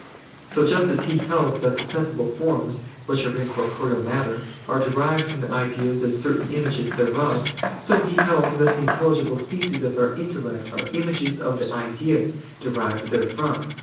So just as he held that the sensible forms, which are in corporeal matter, are derived from the ideas as certain images thereof: so he held that the intelligible species of our intellect are images of the ideas, derived therefrom.